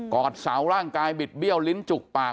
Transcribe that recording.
อดเสาร่างกายบิดเบี้ยวลิ้นจุกปาก